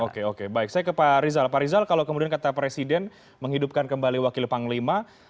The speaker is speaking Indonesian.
oke oke baik saya ke pak rizal pak rizal kalau kemudian kata presiden menghidupkan kembali wakil panglima